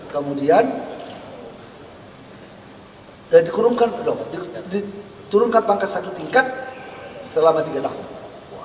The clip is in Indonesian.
kemudian diturunkan pangkat satu tingkat selama tiga tahun